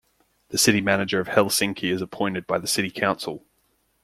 The City Manager of Helsinki is appointed by the city council.